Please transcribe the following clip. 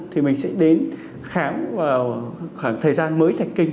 thì mình sẽ đến khám vào khoảng thời gian mới sạch kinh